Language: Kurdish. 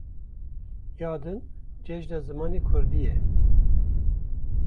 Ya din Cejna Zimanê Kurdî ye.